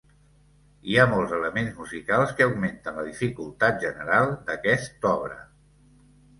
Hi ha molts elements musicals que augmenten la dificultat general d'aquest obra.